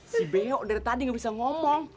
si beok dari tadi ga bisa ngomong